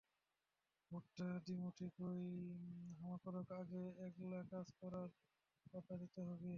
ভোটটা দিমো ঠিকই, হামাকরক আগে এগলা কাজ করার কতা দিতে হবি।